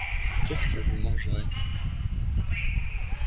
Qu'est-ce que vous mangerez ?